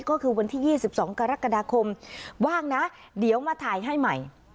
ก็คือวันที่๒๒กรกฎาคมว่างนะเดี๋ยวมาถ่ายให้ใหม่